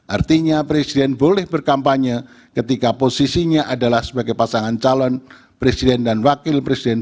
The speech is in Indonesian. artinya presiden boleh berkampanye ketika posisinya adalah sebagai pasangan calon presiden dan wakil presiden